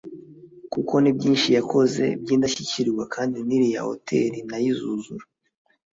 kuko ni byinshi yakoze by’indashyikirwa kandi n’iriya Hotel nayo izuzura